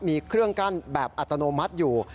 มีเครื่องกั้นแบบอัตโนมัติอยู่